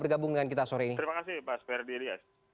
bergabung dengan kita sore ini terima kasih pak sperdi